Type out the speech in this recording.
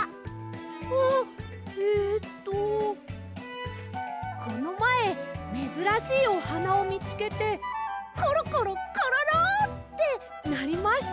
あえっとこのまえめずらしいおはなをみつけてコロコロコロロ！ってなりました。